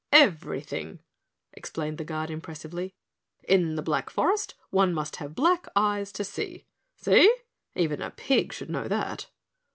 "Everything," explained the Guard impressively. "In the Black Forest one must have black eyes to see. See? Even a pig should know that."